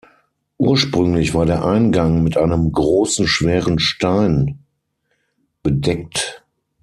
Ursprünglich war der Eingang mit einem großen schweren Stein bedeckt.